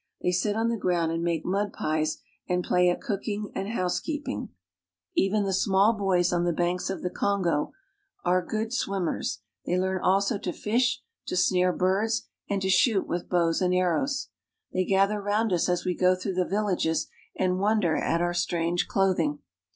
They sit on the ground and make mud pies and play at cooking and housekeeping. Even 238 AFRICA the small boys on the banks of the Kongo are good swimmers ; they learn also to fish, to snare birds, and to shoot with bows and arrows. They gather round us as we go through the villages and wonder at our strange clothing.